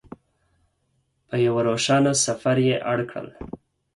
په یوه روښانه سفر یې اړ کړل.